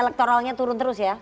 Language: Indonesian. elektoralnya turun terus ya